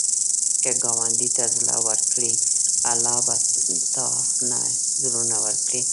که ګاونډي ته زړه ورکړې، الله به تا ته زړونه ورکړي